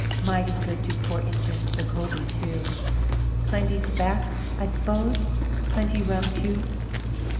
Mighty good to poor Injun Sacobie, too. Plenty tobac, I s'pose. Plenty rum, too."